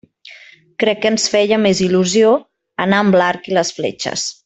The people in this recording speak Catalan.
Crec que ens feia més il·lusió anar amb l'arc i les fletxes.